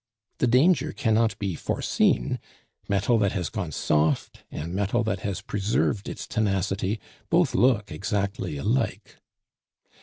The danger cannot be foreseen. Metal that has gone soft, and metal that has preserved its tenacity, both look exactly alike.